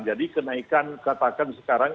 jadi kenaikan katakan sekarang